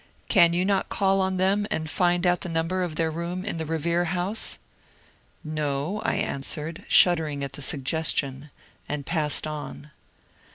Can you not caM on them and find out the number of their room in the Revere House?" "No," I answered, shuddering at the suggestion, and passed on.